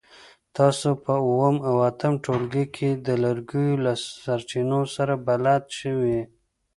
تاسو په اووم او اتم ټولګي کې د لرګیو له سرچینو سره بلد شوي.